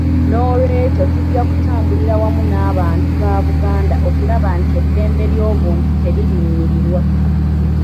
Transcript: Noolwekyo tujja kutambulira wamu n'abantu ba Buganda okulaba nti eddembe ly'obuntu teririnnyirirwa.